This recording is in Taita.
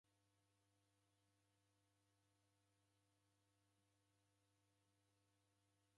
Kaba maghegho mswaki angu kufume aha